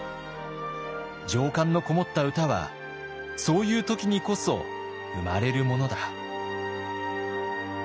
情感のこもった歌はそういう時にこそ生まれるものだ」。